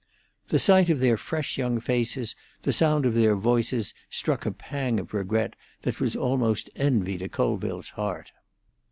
The sight of their fresh young faces, the sound of their voices, struck a pang of regret that was almost envy to Colville's heart.